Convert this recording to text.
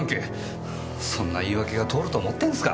そんな言い訳が通ると思ってんですか？